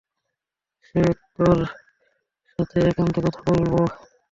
সে তোর সাথে একান্তে কথা বলবে।